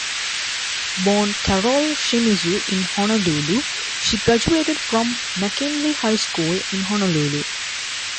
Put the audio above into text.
Born Carole Shimizu in Honolulu, she graduated from McKinley High School in Honolulu.